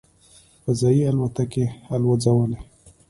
"فضايي الوتکې" الوځولې.